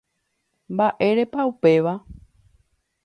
Mba'érepa upéva